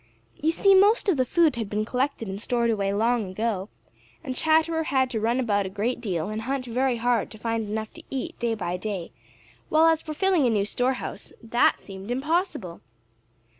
You see, most of the food had been collected and stored away long ago, and Chatterer had to run about a great deal and hunt very hard to find enough to eat day by day, while as for filling a new store house,—that seemed impossible!